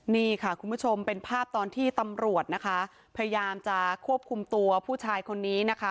นี่ค่ะคุณผู้ชมเป็นภาพตอนที่ตำรวจนะคะพยายามจะควบคุมตัวผู้ชายคนนี้นะคะ